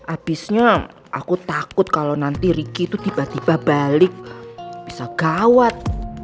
abisnya aku takut kalau nanti ricky itu tiba tiba balik bisa gawat